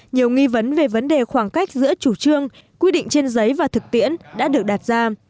nhiều nghi vấn về vấn đề khoảng cách giữa chủ trương quy định trên giấy và thực tiễn đã được đặt ra